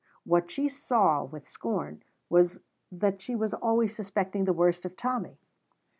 What she saw with scorn was that she was always suspecting the worst of Tommy.